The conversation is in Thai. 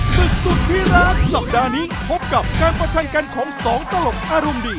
ศึกสุดที่รักสัปดาห์นี้พบกับการประชันกันของสองตลกอารมณ์ดี